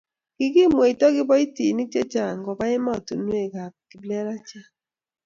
kikimweito kiboitinik chechang koba emetab kiplelachek